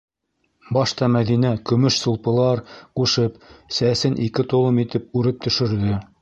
Башта Мәҙинә, көмөш сулпылар ҡушып, сәсен ике толом итеп үреп төшөрҙө.